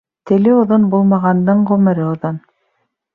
Теле оҙон булмағандың ғүмере оҙон.